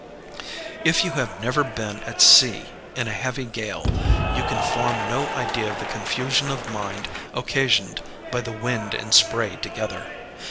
"If you have never been at sea in a heavy gale, you can form no idea of the confusion of mind occasioned by the wind and spray together.